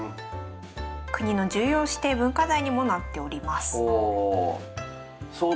国の重要指定文化財にもなっております。